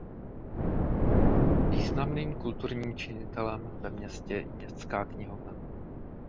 Významným kulturním činitelem ve městě je i městská knihovna.